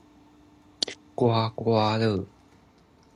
刮刮樂